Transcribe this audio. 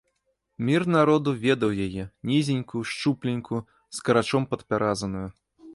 Мір народу ведаў яе, нізенькую, шчупленькую, скарачом падпяразаную.